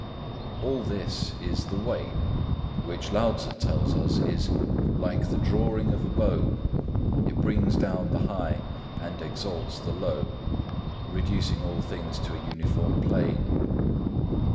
All this is the Way, which Lao Tzŭ tells us is "like the drawing of a bow,—it brings down the high and exalts the low," reducing all things to a uniform plane.